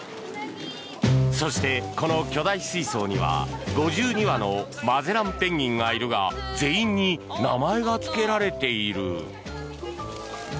そしてこの巨大水槽には５２羽のマゼランペンギンがいるが全員に名前がつけられている。